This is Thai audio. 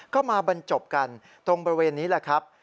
ก็มาบรรจบกันตรงบริเวณนี้แหละครับ